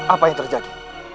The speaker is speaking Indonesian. apa yang terjadi